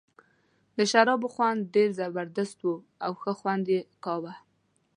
د شرابو خوند ډېر زبردست وو او ښه خوند یې کاوه.